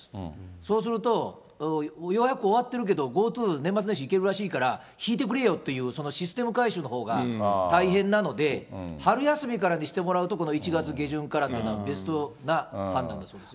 そうすると、予約終わってるけど、ＧｏＴｏ年末年始いけるらしいから、引いてくれよっていう、システム改修のほうが大変なので、春休みからにしてもらうと、この１月下旬からというのは、ベストな判断だそうですよ。